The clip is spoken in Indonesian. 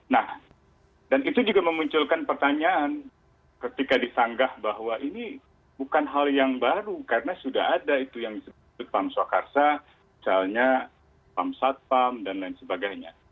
nah dan itu juga memunculkan pertanyaan ketika disanggah bahwa ini bukan hal yang baru karena sudah ada itu yang disebut pam swakarsa misalnya pam satpam dan lain sebagainya